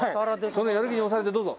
そのやる気に押されてどうぞ。